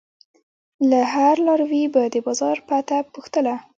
له هر لاروي به د بازار پته پوښتله.